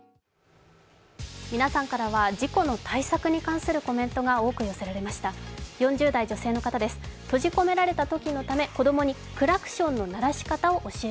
皆さんからは事故の対策に関するコメントが多く寄せられました。